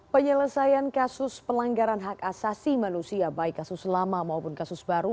penyelesaian kasus pelanggaran hak asasi manusia baik kasus lama maupun kasus baru